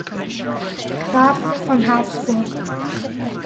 Graf von Habsburg.